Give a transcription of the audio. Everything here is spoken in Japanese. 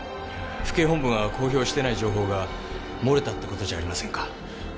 府警本部が公表していない情報が漏れたって事じゃありませんか。